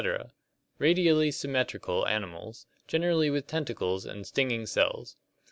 Radially symmetrical animals, generally with tentacles and stinging cells.